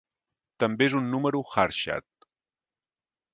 També és un número Harshad.